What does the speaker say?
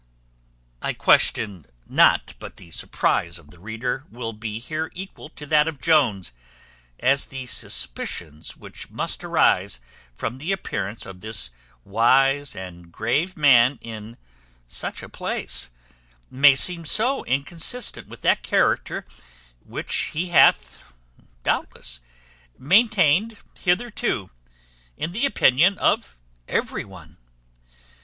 I question not but the surprize of the reader will be here equal to that of Jones; as the suspicions which must arise from the appearance of this wise and grave man in such a place, may seem so inconsistent with that character which he hath, doubtless, maintained hitherto, in the opinion of every one.